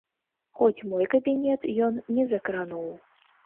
Хоць мой кабінет ён не закрануў.